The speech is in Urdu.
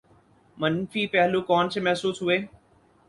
، منفی پہلو کون سے محسوس ہوئے؟